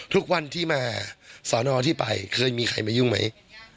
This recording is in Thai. ทุกวันที่มาสอนอที่ไปเคยมีใครมายุ่งไหม